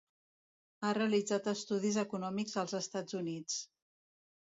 Ha realitzat estudis econòmics als Estats Units.